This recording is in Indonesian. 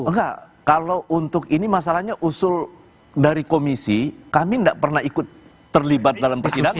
enggak kalau untuk ini masalahnya usul dari komisi kami tidak pernah ikut terlibat dalam persidangan